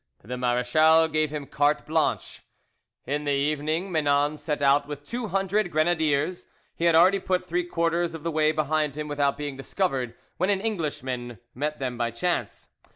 The marechal gave him carte blanche. In the evening Menon set out with two hundred grenadiers. He had already put three quarters of the way behind him without being discovered, when an Englishman met them by chance.